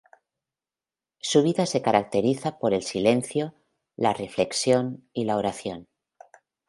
Su vida se caracteriza por el silencio, la reflexión y la oración.